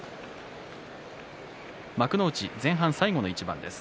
幕内前半、最後の一番です。